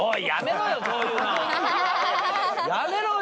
やめろよ。